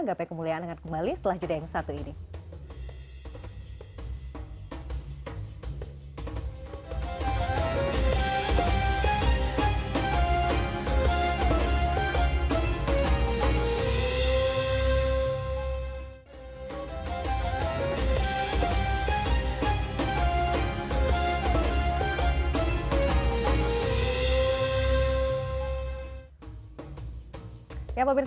gapai kemuliaan akan kembali setelah jadayang satu ini